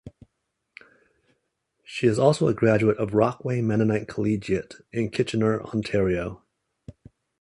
She is also a graduate of Rockway Mennonite Collegiate in Kitchener, Ontario.